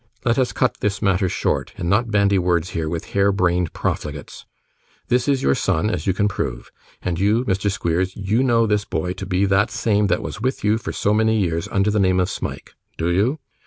'Let us cut this matter short, and not bandy words here with hare brained profligates. This is your son, as you can prove. And you, Mr. Squeers, you know this boy to be the same that was with you for so many years under the name of Smike. Do you?